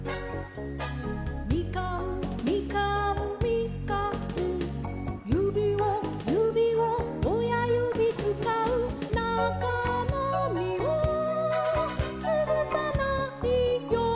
「みかんみかんみかん」「ゆびをゆびをおやゆびつかう」「なかのみをつぶさないように」